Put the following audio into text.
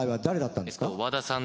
誰だったんですか？